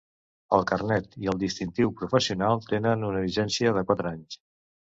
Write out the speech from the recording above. El carnet i el distintiu professionals tenen una vigència de quatre anys.